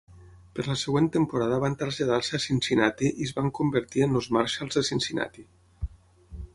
Per la següent temporada van traslladar-se a Cincinnati i es van convertir en els Marshals de Cincinnati.